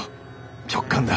直感だ！